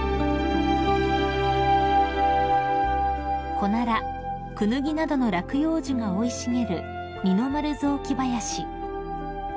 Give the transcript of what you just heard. ［コナラ・クヌギなどの落葉樹が生い茂る二の丸雑木林］